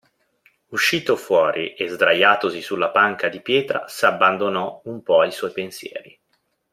Uscito fuori e sdraiatosi sulla panca di pietra, s'abbandonò un po' ai suoi pensieri.